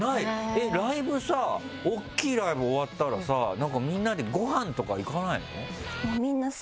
えっライブさ大きいライブ終わったらさみんなでごはんとか行かないの？